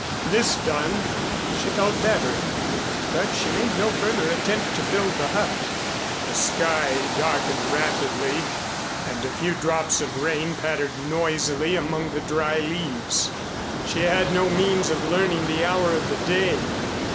This done, she felt better, but she made no further attempt to build the hut. The sky darkened rapidly and a few drops of rain pattered noisily among the dry leaves. She had no means of learning the hour of the day.